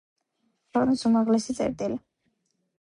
ქვეყნის უმაღლესი წერტილი.